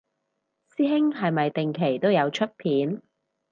師兄係咪定期都有出片